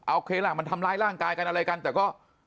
โอเคล่ะมันทำร้ายร่างกายกันอะไรกันแต่ก็